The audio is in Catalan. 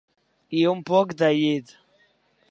I un poc de llit.